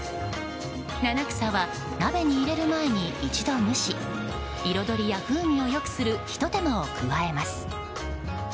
七草は鍋に入れる前に一度蒸し彩りや風味を良くするひと手間を加えます。